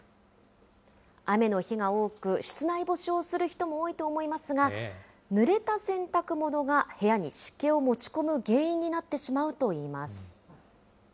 雨の日が多く、室内干しをする人も多いと思いますが、ぬれた洗濯物が、部屋に湿気を持ち込む原因になってしまうといいます。